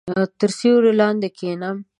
• تر سیوري لاندې کښېنه.